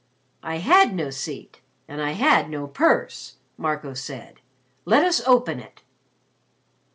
"I had no seat and I had no purse," Marco said. "Let us open it."